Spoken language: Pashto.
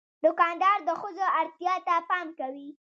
دوکاندار د ښځو اړتیا ته پام کوي.